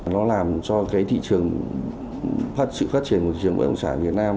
nó làm cho sự phát triển của thị trường bất động sản việt nam